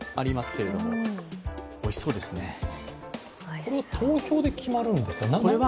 これは投票で決まるんですか？